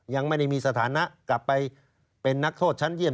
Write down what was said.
ยังไม่ได้มีสถานะกลับไปเป็นนักโทษชั้นเยี่ยม